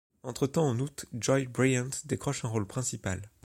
Entretemps en août, Joy Bryant décroche un rôle principal.